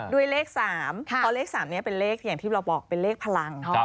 ด้วยเลข๓ตอนเลข๓เป็นเลขเหล่างที่เราบอกเป็นเลขพลัง